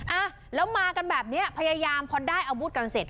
อ่ะแล้วมากันแบบเนี้ยพยายามพอได้อาวุธกันเสร็จ